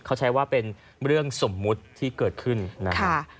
เขาใช้ว่าเป็นเรื่องสมมุติที่เกิดขึ้นนะครับ